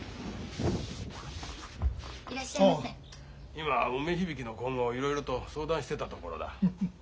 今梅響の今後をいろいろと相談してたところだ。